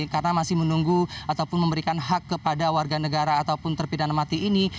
karena masih menunggu ataupun memberikan hak kepada warga negara ataupun terpidana mati ini